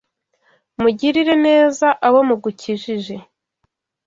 Mugirire neza abo mugukikije.